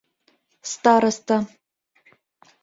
Староста.